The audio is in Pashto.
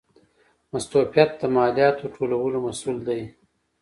مستوفیت د مالیاتو ټولولو مسوول دی